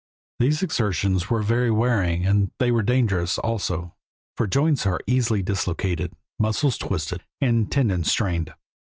These exertions were very wearing and they were dangerous, also, for joints are easily dislocated, muscles twisted, and tendons strained.